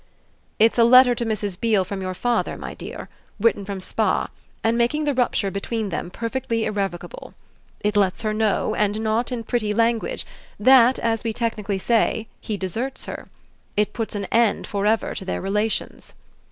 "It's a letter to Mrs. Beale from your father, my dear, written from Spa and making the rupture between them perfectly irrevocable. It lets her know, and not in pretty language, that, as we technically say, he deserts her. It puts an end for ever to their relations."